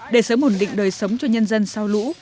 để sớm ổn định đời sống cho nhân dân sau lũ